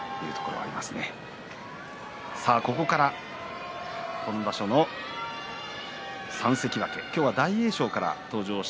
ここから今場所の３関脇今日は大栄翔から登場です。